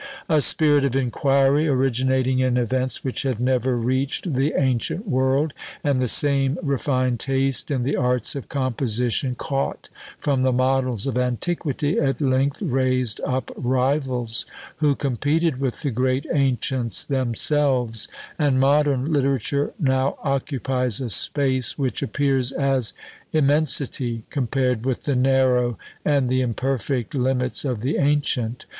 A spirit of inquiry, originating in events which had never reached the ancient world, and the same refined taste in the arts of composition caught from the models of antiquity, at length raised up rivals, who competed with the great ancients themselves; and modern literature now occupies a space which appears as immensity, compared with the narrow and the imperfect limits of the ancient.